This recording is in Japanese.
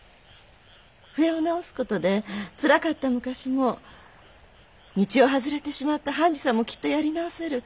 笛を直す事でつらかった昔も道を外れてしまった半次さんもきっとやり直せる。